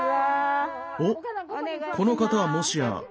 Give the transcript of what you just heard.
おっこの方はもしや。